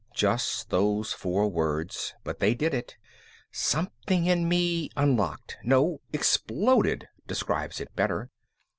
Just those four words, but they did it. Something in me unlocked no, exploded describes it better.